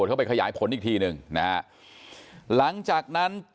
หลังจากนั้น